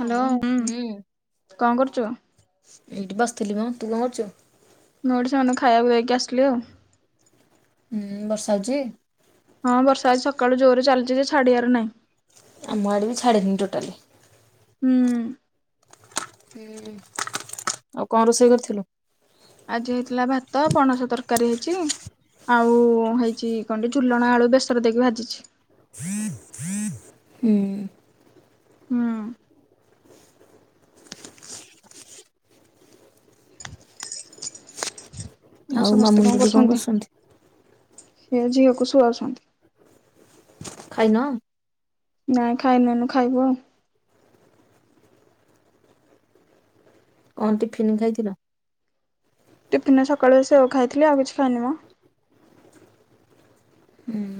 ହଁ, ହୁଁ, କଣ କରୁଛୁ? ଏଇଠି ବସିଥିଲି ମୋ ତୁ କଣ କରୁଛୁ। ନଟ ସେମାନଙ୍କୁ ଖାଇବାକୁ ଦେଇକି ଆସିଲି ଆଉ। ହୁଁ ବର୍ଷା ହଉଚି। ହଁ ବର୍ଷା ହଉଛି, ସକାଳୁ ଜୋରରେ ଚାଲିଛି ଜେ ଛାଡିଆର ନାହିଁ। ଆମ ଆଡ଼େ ବି ଛାଡିନି ଟୋଟାଲି। ହୁଁ। ହୁଁ, ଆଉ କଣ ରୋଷେଇ କରିଥିଲୁ। ଆଜି ହେଇଥିଲା ଭାତ, ପଣସ ତରକାରୀ ହେଇଛି। ଆଉ ହେଇଛି, କଣ କି ଝୁଲଣ ଆଳୁ ବେସର ଦେଇକି ଭାଜିଛି। [inaudible] ହୁଁ। ହୁଁ। [inaudible] ଆଉ ସମସ୍ତେ କଣ କରୁଛନ୍ତି ସେ ଝିଅକୁ ଶୁଆଉଛନ୍ତି। ଖାଇନ। ନାଇଁ ଖାଇନୁ ନୁ ଖାଇବୁ ଆଉ। କଣ ଟିଫିନ୍ ଦେଇଥିଲ। ଟିଫିନ ସକାଳୁ ସେଓ ଖାଇଥିଲି ଆଉ କିଛି ଖାଇନି ମ। ହୁଁ।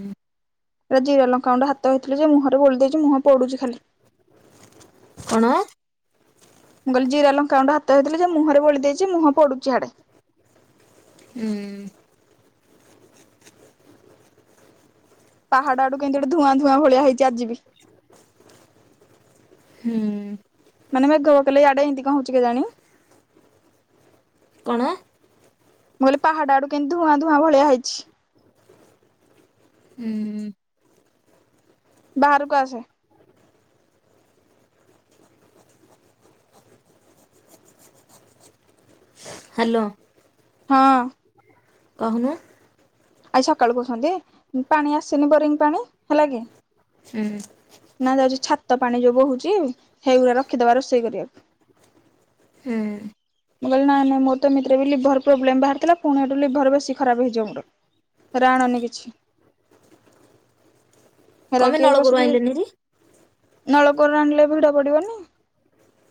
ଆଜି ଲଙ୍କା ଗଣ୍ଡ ହାତ ହେଇଥିଲି ଯେ ମୁହରେ ବୋଳି ଦେଇଛି ମୁହଁ ପୋଡୁଛି ଖାଲି। କଣ। ମୁଁ କହିଲି ଜିରା ଲଙ୍କା ଗଣ୍ଡ ହାତ ହେଇଥିଲି ଯେ ମୁହଁରେ ବଳି ଦେଇଚି ମୁଁ ପଡୁଛି ହାଡେ। ହୁଁ। ପାହାଡ ଆଡୁ କେମିତି ଗୋଟେ ଧୂଆଁ ଧୂଆଁ ଭଳିଆ ହେଇଛି ଆଜି ବି। ହୁଁ। ମାନେ ମା ଗୋ କଲେ ଏଆଡେ ଇମିତି କ ହଉଚି କେଜାଣି। କଣ। ମୁଁ କହିଲି ପାହାଡ ଆଡୁ କେମି ଧଆଁ ଧୂଆଁ ଭଳିଆ ହେଇଛି। ହୁଁ। ବାହାରକୁ ଆସେ। ହାଲୋ। ହଁ। କହୁନ। ଆଜି ସକାଳୁ କହୁଛନ୍ତି ପାଣି ଆସିନି ବୋରିଂ ପାଣି ହେଲା କି। ହୁଁ। ନା ଯାଉଚି ଛାତ ପାଣି ଯୋଉ ବହୁଚି ସେଇଗୁଡା ରଖିଦବା ରୋଷେଇ କରିବାକୁ। ହୁଁ। ମୁଁ କଇଲି ନାଇଁ ନାଇଁ ମୋ ତ ଏମିତିରେ ବି ଲିଭର ପ୍ରୋବ୍ଲେମ ବାହାରଥିଲା ପୁଣି ଏଠୁ ଲିଭର ବେଶୀ ଖରାପ ହେଇଯିବ ମୋର। ହେରା ଆଣନି କିଛି ହେରା କଣ ପାଇଁ କିଏ ନଳକୂଅରୁ ବସିକି। ଆଣିଲେନି ହେରି? ନଳକୂଅରୁ ଆଣିଲେ ଭିଡ ପଡିବନି।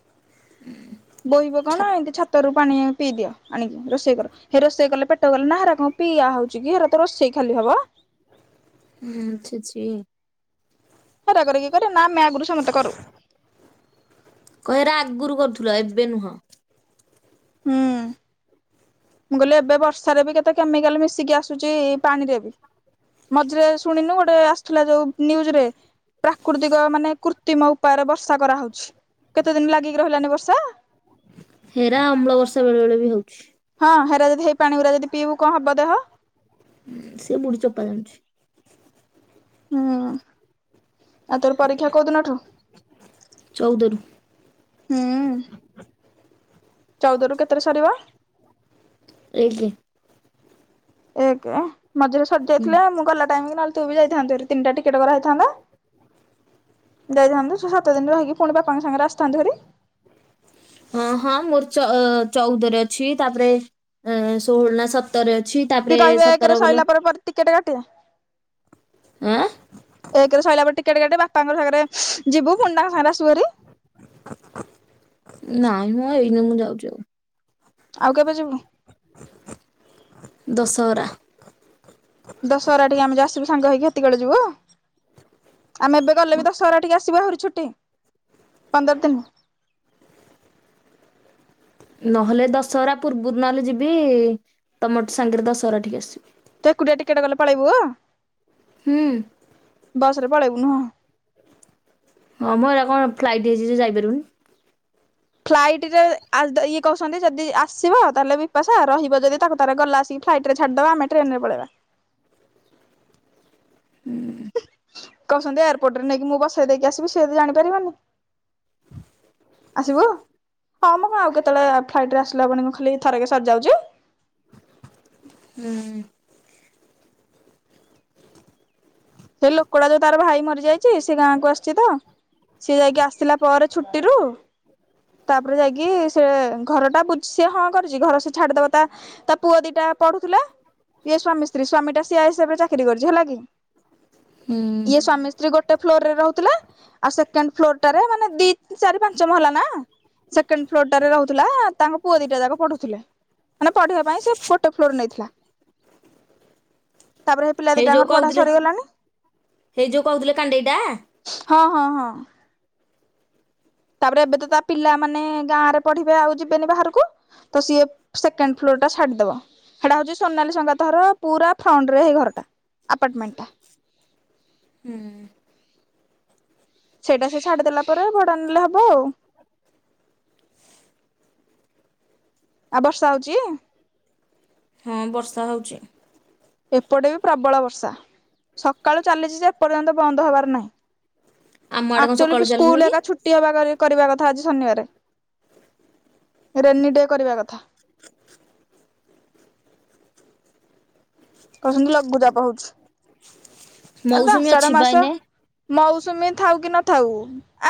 [inaudible] ବୋହିିବ ଛା କଣ ଏମିତି ଛାତରୁ ପାଣି ପିଇଦିଅ ଆଣିକି ରୋଷେଇ କର। ହେ ରୋଷେଇ କଲେ ପେଟ କଲେନା ହେରା କଣ ପିଇଆ ହଉଛି କି ହେରା ତ ରୋଷେଇ ଖାଲି ହବ। ହୁଁ ଛି ଛି। ହେରା କରିକିଏ କରେ ନା ଆମେ ଆଗରୁ ସମସ୍ତେ କରୁ। କ ହେରା ଆଗରୁ କରୁଥୁଲ ଏବେ ନୁହଁ। ହୁଁ। ମୁଁ କଲେ ଏବେ ବର୍ଷାରେ ବି କେତେ କେମିକାଲ ମିଶିକି ଆସୁଚି ପାଣିରେ ବି। ମଝିରେ ଶୁଣିନୁ ଗୋଟେ ଆସୁଥିଲା ଯୋଉ ନିୟୁଜରେ। ପ୍ରାକୃତିକ ମାନେ କୃତ୍ରିମ ଉପାୟରେ ବର୍ଷା କରାହଉଛି କେତେ ଦିନି ଲାଗିକି ରହିଲାନି ବର୍ଷା। ହେରା ଅମ୍ଳ ବର୍ଷା ବେଳେ ବେଳେ ବି ହଉଛି। ହଁ ହେରା ଯଦି ହେଇ ପାଣି ଗୁରା ଯଦି ପିଇବୁ କଣ ହବ ଦେହ। ହୁଁ ସେ ବୁଢି ଚୋପା ଜାଣୁଛି। ହୁଁ ଆଉ ତୋର ପରୀକ୍ଷା କୋଉ ଦିନଠୁ। ଚଉଦରୁ। ହୁଁ ଚଉଦରୁୁ କେତେରେ ସରିବ ଏ୍ଞ ଏକ ମଝିରେ ସରି ହୁଁ। ଯାଇଥିଲେ ମୁଁ ଗଲା ଟାଇମ କି ନହେଲେ ତୁ ବି ଯାଇଥାନ୍ତୁ ତିନିଟା ଟିକେଟ କରା ହେଇଥାନ୍ତା। ଯାଇଥାନ୍ତୁ ଛ, ସାତ ଦିନ ରହିକି ପୁଣି ବାପାଙ୍କ ସାଙ୍ଗରେ ଆସିଥାନ୍ତୁ ଘରି ହଁ ହଁ ମୋର ଚଉଦରେ ଅଛି ତାପରେ ଷୋହଳ ନା ସତର, ତୋର ବି ଅଛି ତା କି କହିବେ ଏକରେ ସରିଲା ପରେ ପରେ ଟିକେଟ କାଟିବେ। ଆଁ ଏ ସରିଲା ପରେ ଟିକେଟ କାଟି ବାପାଙ୍କ ସାଙ୍ଗରେ ଯିବୁ ପଣ୍ଡାଙ୍କ ସାଙ୍ଗରେ ଆସିବୁ ବାହାରି ନାଇଁମ ଏଇନି ମୁଁ ଯାଉଛି ଆଉ ଆଉ କେବେ ଯିବୁ? ଦଶହରା ଦଶହରା ଟିକେ ଆମେ ଆସୁ ସାଙ୍ଗ ହେକି ସେତିକିବେଳେ ଯିବୁ। ଆମେ ଏବେ ଗଲେ ବି ଦଶହରା ଟିକେ ଆସିବୁ ଆହୁରି ଛୁଟି ପନ୍ଦର ଦିନ ନହେଲେ ଦଶହରା ପୂର୍ବରୁ ନହେଲେ ଯିବି ତମ ସାଙ୍ଗରେ ଦଶହରା ଟିକେ ଆସିବି। ତୁ ଏକୁଟିିଆ ଟିକେଟ ଗଲେ ପଳେଇବୁ, ହୁ ବସ ରେ ପଳେଇବୁ ନୁହଁ? ହଁ ମୋର କଣ ଫ୍ଲାଇଟ୍ ହେଇଛି ଯେ ଯାଇପାରୁନି ଫ୍ଲାଇଟରେ ଇଏ କହୁଛନ୍ତି ଯଦି ଆସିବ ତାହେଲେ ବିପାସା ରହିବ ଯଦି ତାକୁ ତାର ଗଲା ଆସିକି ଫ୍ଲାଇଟରେ ଛାଡ଼ିଦବା ଆମେ ଟ୍ରେନ ରେ ପକେଇବା ହୁଁ କହୁଛନ୍ତି ଏୟାରପୋର୍ଟ ରେ ନେଇକି ମୁଁ ବସେଇ ଦେଇକି ଆସିବି ସେ ତ ଜାଣିପାରିବନି। ଆସିବୁ ହଁ ମ ଆଉ କେତେବେଳେ ଫ୍ଲାଇଟ ରେ ଆସିଲାବେଳେ ଖାଲି ଥରକେ ସରି ଯାଉଛି। ହୁଁ। ସେ ଲୋକଟା ଯୋଉ ତାର ଭାଇ ମରିଯାଇଛି ସେ ଗାଁକୁ ଆସିଛି ତ ସିଏ ଯାଇକି ଆସିଥିଲା ପରେ ଛୁଟିରୁୁ ତାପରେ ଯାଇକି ସେ ଘରଟା ବୁଝିଛି ସିଏ ହଁ କରିଛି ଘର ସେ ଛାଡିଦବ ତା ତା ପୁଅ ଦିଟା ପଢୁଥିଲେ ଇଏ ସ୍ଵାମୀ ସ୍ତ୍ରୀ ସ୍ଵାମୀଟା ସିଆସିହିବରେ ଚାକିରି କରିଛି ହେଲା କି? ହୁଁ ଇଏ ସ୍ଵାମୀ ଗୋଟେ ଫ୍ଲୋରରେ ରହୁଥିଲେ ଆଉ ସେକେଣ୍ଡ ଫ୍ଲୋର ଟାରେ ମାନେ ଦି ଚାରି ପାଞ୍ଚ ମହଲା ନା ସେକେଣ୍ଡ ଫ୍ଲୋରଟାରେ ରହୁଥିଲା ତାଙ୍କ ପୁଅ ଦିଟା ଯାକ ପଢୁଥିଲେ। ମାନେ ପଢିବା ପାଇଁ ସେ ଗୋଟେ ଫ୍ଲୋର ନେଇଥିଲା। ତାପରେ ସେ ପିଲା ହେଇ ଯୋଉ ଦିଟାଙ୍କର ପଢା କହୁଥିଲେ ସରିଗଲାଣି ହେଇ ଯୋଉ କହୁଥିଲେ କାଣ୍ଡେଇଟା ହଁ, ହଁ, ହଁ ତାପରେ ଏବେ ତ ତା ପିଲାମାନେ ଗାଁରେ ପଢ଼ିବେ ଆଉ ଯିବେନି ବାହାରକୁ ତ ସିଏ ସେକେଣ୍ଡ ଫ୍ଲୋରଟା ଛାଡ଼ିଦବ ସେଇଟା ହଉଛି ସୋନାଲି ସଂଘାତ ର ପୁରା ଫ୍ରଣ୍ଟରେ ଏଇ ଘରଟା ଆପାର୍ଟମେଣ୍ଟଟା ହୁଁ ସେଇଟା ସେ ଛାଡିଦେଲା ପରେ ଭଡା ନେଲେ ହବ ଆଉ ଆଉ ବର୍ଷା ହଉଛି? ହଁ ବର୍ଷା ହେଉଛି। ଏପଟେ ବି ପ୍ରବଳ ବର୍ଷା ସକାଳୁ ଚାଲିଛି ଯେ ଏପର୍ଯ୍ୟନ୍ତ ବନ୍ଦ ହବାର ନାହିଁ। ଆମ ଆଡେ କଣ ଆଚଲୁ ସକାଳୁ ଫ ଚାଲିନି ସ୍କୁଲ ହେ କି ଏକ ଛୁଟ୍ ଟିଅ ବା କରିବା କଥା ଆଜି ଶନିବାର, ରେନିଡେ କରିବା କଥା। କହୁଛନ୍ତି ଲଘୁଚାପ ହଉଛି, ଆରେ ତ ମୌସୁମୀ ଆଷାଢ଼ ଅଛି ବା ମାସ। ଏଇନେ ମୌସୁମୀ ଥାଉ କି ନଥାଉ?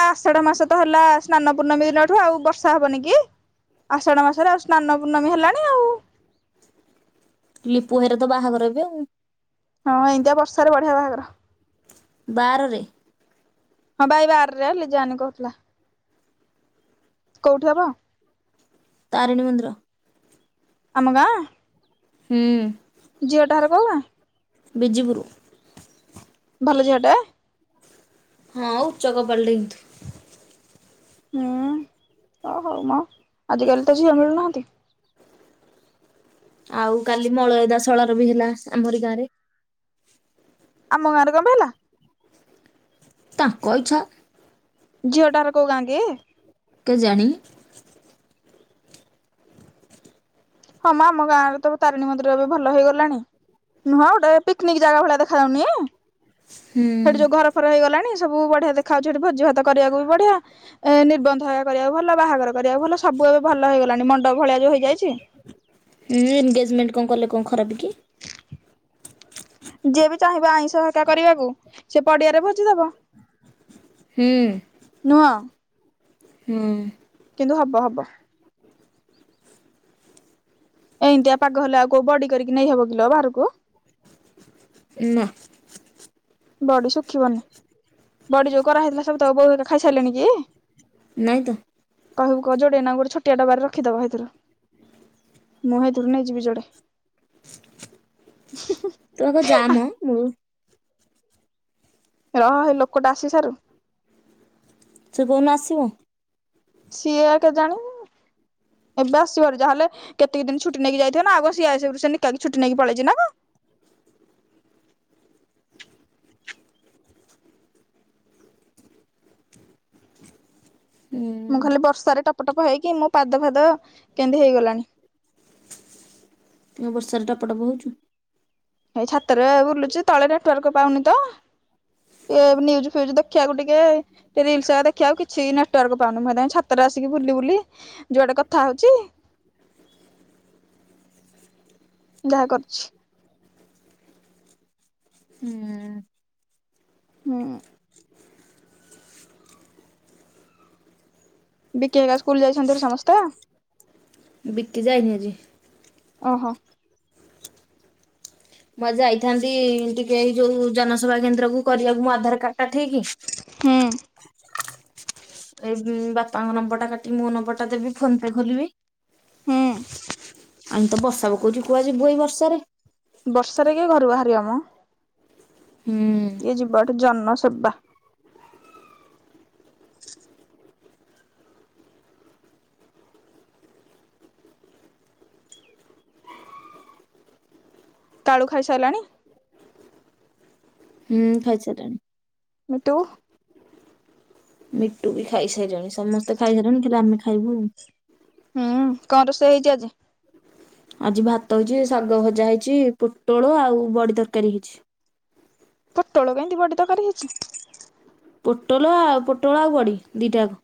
ଆ ଆଷାଢ଼ ମାସ ତ ହେଲା ସ୍ନାନ ପୂର୍ଣ୍ମମି ଦିନଠୁ ଆଉ ବର୍ଷା ହବନି କି? ଆଷାଢ଼ ମାସରେ ଆଉ ସ୍ନାନ ପୂର୍ଣ୍ଣମୀ ହେଲାଣି ଆଉ। ଲିପୁଭାଇର ତ ବାହାଘର ଏବେ ଆଉ। ହଁ ଏମତିଆ ବର୍ଷାରେ ବଢ଼ିଆ ବାହାଘର। ବାଆରରେ। ହଁ ଭାଇ ବାରରେ ଲିଜାରାନୀ କହୁଥିଲା। କୋଉଠି ହବ? ତାରିଣୀ ମନ୍ଦୀର। ଆମ ଗାଁ? ହୁଁ ଝିଅଟା ହର କୋଉ ଗାଁ? ବିଜିପୁର। ଭଲ ଝିଅଟା? ହଁ ଆଉ ଉଚ୍ଚ କପାଳଟେ କିନ୍ତୁ। ହୁଁ ଓ ହଉ ମ ଆଜିକାଲି ତ ଝିଅ ମିଳୁନାହାନ୍ତି। ଆଉ କାଲି ମଳୟ ତା ଶଳାର ବି ହେଲା ଆମରି ଗାଁରେ। ଆମ ଗାଁରେ ତମ୍ଭେ ହେଲା। ତାଙ୍କ ଇଚ୍ଛା। ଝିଅଟାହର କୋଉ ଗାଁ କି? କେଜାଣି? ହଁ ମ ଆମ ଗାଁରେ ତ ତାରିଣୀ ମନ୍ଦିର ଏବେ ଭଲ ହେଇଗଲାଣି। ନୁହଁ ଗୋଟେ ପିକନିକ୍ ଜାଗା ଭଳିଆ ଦେଖା ଯାଉନି, ହୁଁ ସେଠି ଯୋଉ ଘର ଫର ହେଇଗଲାଣି ସବୁ ବଢିଆ ଦେଖାହଉଛି ସେଠି ଭୋଜି ଭାତ କରିବାକୁ ବି ବଢିଆ। ଏ ନିର୍ବନ୍ଧ ହେଇ କରିବାକୁ ଭଲ ବାହାଘର କରିବାକୁ ଭଲ ସବୁ ଏବେ ଭଲ ହେଇଗଲାଣି ମଣ୍ଡପ ଭଳିଆ ଯୋଉ ହେଇଯାଇଛି। ଉଁ ଏଙ୍ଗେଜମେଣ୍ଟ କଣ କଲେ କଣ ଖରାପ କି? ଯିଏ ବି ଚାହିଁବ ଆଇଁଷ ଏକା କରିବାକୁ ସିଏ ପଡିଆରେ ଭୋଜିଦବ। ହୁଁ ନୁହଁ। ହୁଁ କିନ୍ତୁ ହବ ହବ। ଏଇଁତିଆ ପାଗ ହେଲେ ଆଉ କୋଉ ବଡ଼ି କରିକି ନେଇହବ କିଲୋ ବାହାରକୁ? ନାଁ ବଡ଼ି ଶୁଖିବନି ବଡ଼ି ଯୋଉ କରାହେଇଥିଲା ସବୁ ତୋ ବୋଉ ଖାଇସାଇଲେଣି କି? ନାଇଁ ତ। କହିବୁ କୋଉ ଯୋଡ଼ି ନା ଗୋଟେ ଛୋଟିଆ ଡବାରେ ରଖିଦବ ହେଇଥିରୁ। ମୁଁ ହେଇଥିରୁ ନେଇଯିବି ଯୋଡେ। ତ ଆଗ ଯାମ ମୁଁ। ରହ ହେଇ ଲୋକଟା ଆସିସାରୁ। ସେ କଉନ୍ନ ଆସିବ? ସିଏ ଆ କେଜାଣି ଏବେ ଆସିବାର ଯାହେଲେ କେତିକି ଦିନ ଛୁଟି ନେଇକି ଯାଇଥିବେ ନା ଆଉ କଣ ସିଏ ଆସିବ ସେମିତି କେତେ ଛୁଟି ନେଇକି ପଳେଇଛି ନା କଣ? ମୁଁ ଖାଲି ହୁଁ ବର୍ଷାରେ ଟପଟପ ହେଇକି ମୋ ପାଦ ଫାଦ କେମିତି ହେଇଗଲାଣି। ଆ ବର୍ଷାରେ ଟପ ଟପ ହଉଚୁ। ଏଇ ଛାତେରେ ବୁଲୁଚି ତଳେ ନେଟୱାର୍କ ପାଉନି ତ। ଟିକେ ନ୍ୟୁଜ ଫିଉଜ ଦେଖିଆକୁ ଟିକେ। ରିଲସ ହେରିକା ଦେଖିବାକୁ କିଛି ନେଟୱର୍କ ପାଉନି, ମୁଁ ସେଥିପାଇଁ ଛାତରେ ଆସିକି ବୁଲି ବୁଲି। ଯୁଆଡେ କଥା ହଉଚି। ଯାହା କରୁଚି। ହୁଁ। ହୁଁ। ବିକି ହେରିକା ସ୍କୁଲ ଯାଇଚନ୍ତି ସମସ୍ତେ? ବିିକି ଯାଇନି ଆଜି। ଓହୋ। ମୁଁ ଆଜି ଯାଇଥାନ୍ତି ଟିକେ ଏଇ ଯୋଉ ଜନସେବା କେନ୍ଦ୍ର କୁ କରିଆକୁ ମୋ ଆଧାର କାର୍ଡଟା ଠିକ୍। ହୁଁ। ଏ ବାପାଙ୍କ ନମ୍ବର ଟା କାଟି ମୋ ନମ୍ବର ଟା ଦେବି ଫୋନ ପେ ଖୋଲିବି। ହୁଁ। ଆମ ତ ବର୍ଷା ପକଉଚି କୁଆଡେ ଯିବୁ ଏଇ ବର୍ଷାରେ। ବର୍ଷାରେ କିଏ ଘରୁ ବାହାରିବ ମ। ହୁଁ। ଇଏ ଯିବ ଏଠି ଜନ ସେବା। କାଳୁ ଖାଇସାରିଲାଣି? ହୁଁ ଖାଇସାରିଲାଣି। ମିଟୁ? ମିଟୁ ବି ଖାଇସାରିଲାଣି। ସମସ୍ତେ ଖାଇସାରିଲେଣି ଖାଲି ଆମେ ଖାଇବୁ ଆଉ। ହୁଁ କଣ ରୋଷେଇ ହେଇଚି ଆଜି? ଆଜି ଭାତ ହେଇଚି, ଶାଗ ଭଜା ହେଇଚି, ପୋଟଳ ଆଉ ବଡି ତରକାରୀ ହେଇଚି। ପୋଟଳ କେମିତି ବଡି ତରକାରୀ ହେଇଚି? ପୋଟଳ ଆଉ ପୋଟଳ ଆଉ ବଡି ଦିଟା କୁ।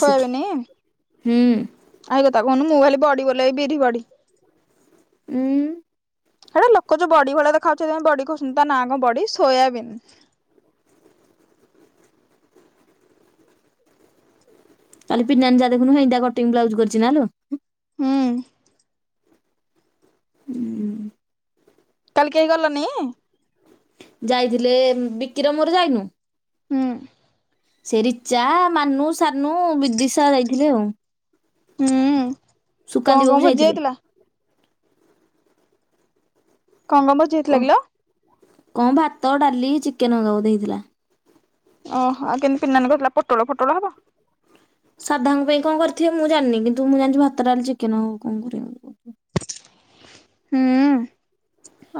ସୋୟାବିନିି? ଆ ସେଇ କଥା କହୁନୁ ମୁଁ ଭାବିଲି ବଡି ବୋଲି ଏଇ ବିରି ବଡି। ଉଁ। ହେଟା ଲୋକ ଯୋଉ ବଡି ଭଳିଆ ଦେଖାଯାଉଚି ସେଥିପାଇଁ ବଡି କହୁଚନ୍ତି, ତା ନା କଣ ବଡି ସୋୟାବିନ୍। [unintelligible] ହୁଁ। ହୁଁ। କାଲି କେହି ଗଲନି? ଯାଇଥିଲେ? ବିକିର ମୋର ଯାଇନୁ। ହୁଁ। ସେ ରୀଚା, ମାନୁ, ସାନୁ, ବିଦିଶା ଯାଇଥିଲେ ଆଉ। ହୁଁ। କଣ ସୁକାନ୍ତି କଣ ବାବୁ ବି ଭୋଜି ଯାଇଥିଲେ। ହେଇଥିଲା କଣ କଣ ଭୋଜି ହେଇଥିଲା କିଲ? କଣ ଭାତ, ଡାଲି, ଚିକେନ ବଧେ ହେଇଥିଲା। ଅହ, ଆଉ କେମିତି ପିନ୍ ନାନୀ କହୁଥିଲା ପୋଟଳ ଫୋଟଳ ହବ। ସାଧାଙ୍କ ପାଇଁ କଣ କରିଥିବେ ମୁଁ ଜାଣିନି। କିନ୍ତୁ ମୁଁ ଜାଣିଚି ଭାତ, ଡାଲି, ଚିକେନ ଆଉ କଣ କରିବେ। ହୁଁ।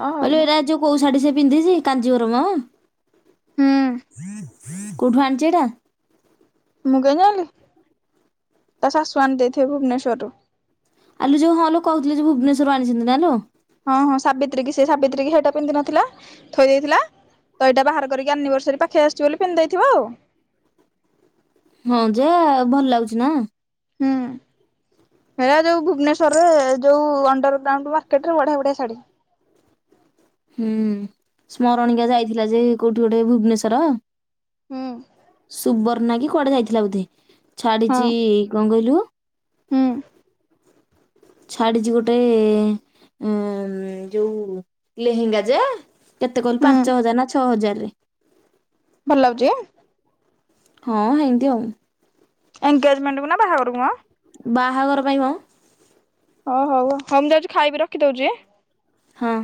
ଅ ହଉ ହଇଲୋ ମ ଏରା ଯୋଉ କୋଉ ଶାଢୀ ସେ ପିନ୍ଧିଚି? ହୁଁ କାଞ୍ଜିବରମ। କଉଠୁ ଆଣିଚି ଏଟା? ମୁଁ କେନ୍ତି ଜାଣିଲି ତା ଶାଶୁ ଆଣି ଦେଇଥିବେ ଭୁବନେଶ୍ଵରରୁ। ଆଲୋ ଯୋଉ ହଁ ଲୋ କହୁଥିଲି ଯେ ଭୁବନେଶ୍ୱରରୁ ଆଣିଛନ୍ତି ନା ଲୋ? ହଁ ହଁ ସାବିତ୍ରୀକିସେ ସାବିତ୍ରୀ ହେଇଟା ପିନ୍ଧି ନଥିଲା ଥୋଇ ଦେଇଥିଲା ତ ଏଇଟା ବାହାର କରିକି ଆନିଭର୍ସେରି ପାଖେଇ ଆସୁଛି ବୋଲି ପିନ୍ଧଦେଥିବ ଆଉ। ହଁ ଯେ ଭଲ ଲାଗୁଛି ନା? ହୁଁ। ହେରା ଯୋଉ ଭୁବନେଶ୍ୱରରେ ଯୋଉ ଅଣ୍ଡରଗ୍ରାଉଣ୍ଡ ମାର୍କେଟରେ ବଢିଆ ବଢିଆ ଶାଢୀ। ହୁଁ ସ୍ମରଣିକା ଯାଇଥିଲା ଯେ କୋଉଠି ଗୋଟେ ଭୁବନେଶ୍ଵର ହୁଁ ସୁବର୍ଣ୍ଣ କି କୁଆଡେ ଯାଇଥିଲା ବୋଧେ। ହଁ ଛାଡିଛି କଣ କହିଲୁ ହୁଁ। ଛାଡିଚି ଗୋଟେ ଏଁ ଯୋଉ ଲେହେଙ୍ଗା ଯୋ କେତେ କହିଲୁ ହୁଁ ପାଞ୍ଚ ହଜାର ନା ଛଅ ହଜାରରେ। ଭଲ ଲାଗୁଚି କେ? ହଁ ହେନ୍ତି ଆଉ। ଏଙ୍ଗେଜମେଣ୍ଟ କୁ ନା ବାହାଘର କୁ ମ? ବାହାଘର ପାଇଁ ନୁଁହ ହଉ ହଉ ହଉ ମୁଁ ଯାଉଚି ଖାଇବି ରଖିଦଉଚି। ହଁ।